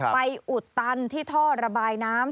อุดตันที่ท่อระบายน้ำ